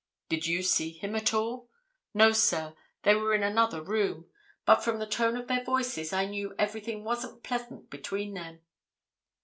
'Did you see him at all?' 'No, sir: they were in another room—but from the tone of their voices I knew everything wasn't pleasant between them.